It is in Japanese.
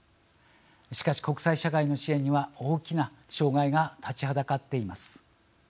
しかし国際社会の支援には大きな障害が立ちはだかっています。